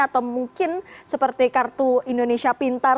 atau mungkin seperti kartu indonesia pintar